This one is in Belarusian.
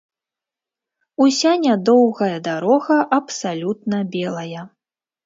Уся нядоўгая дарога абсалютна белая.